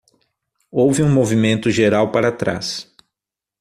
Houve um movimento geral para trás.